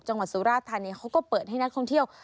สุราธานีเขาก็เปิดให้นักท่องเที่ยว